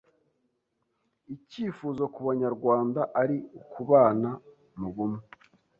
icyifuzo ku banyarwanda ari ukubana mu bumwe,